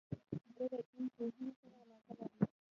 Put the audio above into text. زه د دین پوهني سره علاقه لرم.